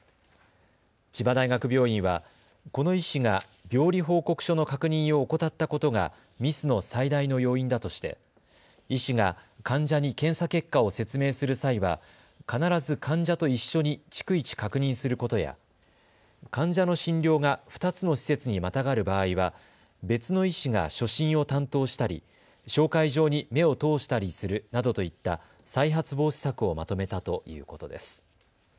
千葉大学病院はこの医師が病理報告書の確認を怠ったことがミスの最大の要因だとして医師が患者に検査結果を説明する際は必ず患者と一緒に逐一、確認することや患者の診療が２つの施設にまたがる場合は別の医師が初診を担当したり、紹介状に目を通したりするなどといった再発防止策をまとめたということです。